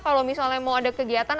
kalau misalnya mau ada kegiatan